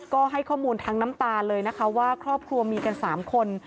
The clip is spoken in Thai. ก็ให้ข้อมูลทั้งน้ำตาเลยนะคะว่าครอบครัวมีกัน๓คน